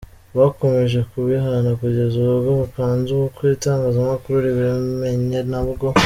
bakomeje kubihana kugeza ubwo bapanze ubukwe itangazamakuru ribimenye nabwo.